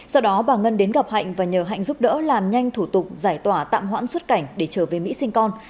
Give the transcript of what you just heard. sau đó bà ngân đến gặp hạnh và nhờ hạnh giúp đỡ làm nhanh thủ tục giải tỏa tạm hoãn xuất cảnh để trở về mỹ sinh con